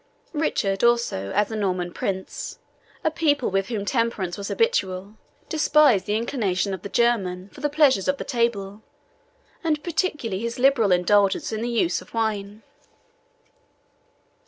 Richard, also, as a Norman prince, a people with whom temperance was habitual, despised the inclination of the German for the pleasures of the table, and particularly his liberal indulgence in the use of wine.